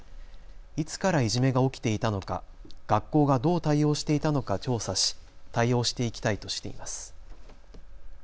いつからいじめが起きていたのか、学校がどう対応していたのか調査し対応していきたいとしています。